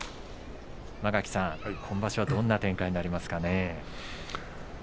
間垣さん、今場所はどんな展開になりますかね。